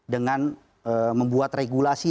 dengan membuat regulasi